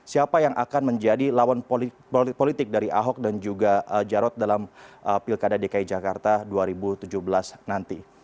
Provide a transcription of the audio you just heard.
siapa yang akan menjadi lawan politik dari ahok dan juga jarot dalam pilkada dki jakarta dua ribu tujuh belas nanti